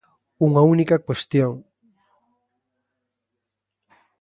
Unha única cuestión.